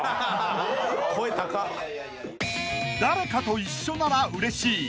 ［誰かと一緒ならうれしい］